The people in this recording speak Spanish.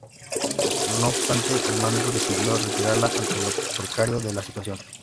No obstante el mando decidió retirarla, ante lo precario de la situación.